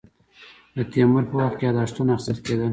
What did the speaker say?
د تیمور په وخت کې یاداښتونه اخیستل کېدل.